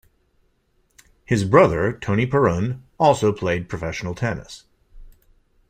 His brother, Tony Parun, also played professional tennis.